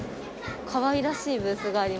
かわいらしいブースがあります。